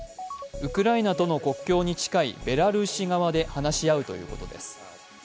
ウクライナとの国境に近いベラルーシ側で話し合うということです。